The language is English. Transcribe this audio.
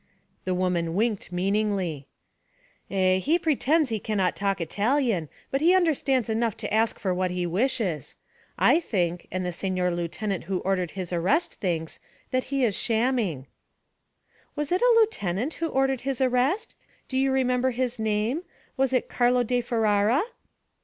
The woman winked meaningly. 'Eh he pretends he cannot talk Italian, but he understands enough to ask for what he wishes. I think and the Signor Lieutenant who ordered his arrest thinks that he is shamming.' 'It was a lieutenant who ordered his arrest? Do you remember his name was it Carlo di Ferara?'